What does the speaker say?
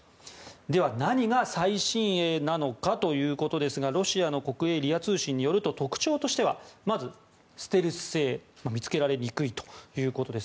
では、何が最新鋭なのかということですがロシアの国営ＲＩＡ通信によりますとまず、ステルス性見つけられにくいということです。